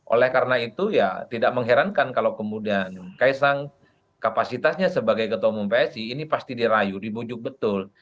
oleh karena itu ya tidak mengherankan kalau kemudian kaisang kapasitasnya sebagai ketua umum psi ini pasti dirayu dibujuk betul